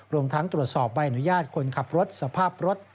รวมทั้งตรวจสอบใบอนุญาตคนขับรถสภาพรถ